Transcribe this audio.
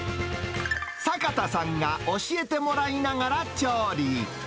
坂田さんが教えてもらいながら調理。